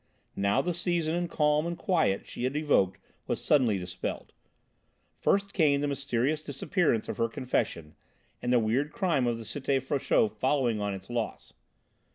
Now the season of calm and quiet she had evoked was suddenly dispelled. First came the mysterious disappearance of her confession and the weird crime of the Cité Frochot following on its loss.